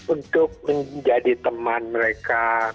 untuk menjadi teman mereka